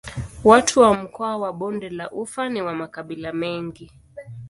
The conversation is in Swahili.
Watu wa mkoa wa Bonde la Ufa ni wa makabila mengi.